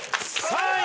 ３位！